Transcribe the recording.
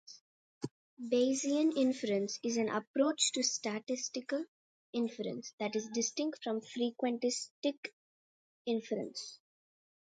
Bayesian inference is an approach to statistical inference that is distinct from frequentist inference.